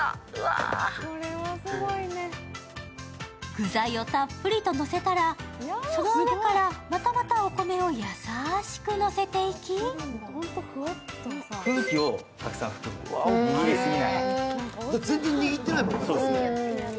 具材をたっぷりとのせたらその上からまたまたお米を優しくのせていき全然にぎってないもんね。